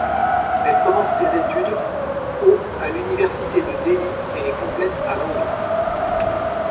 Elle commence ses études au à l'Université de Delhi et les complète à Londres.